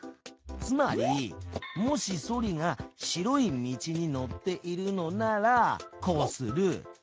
つまりもしソリが白い道に乗っているのならこうする。